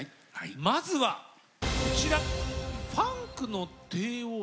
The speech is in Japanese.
まずはこちら。